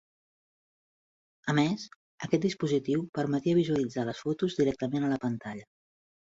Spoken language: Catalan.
A més, aquest dispositiu permetia visualitzar les fotos directament a la pantalla.